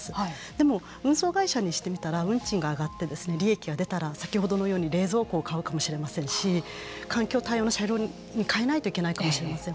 でも運送会社にしてみたら運賃が上がって利益が出たら先ほどのように冷蔵庫を買うかもしれませんし環境対応の車両にかえないといけないかもしれません。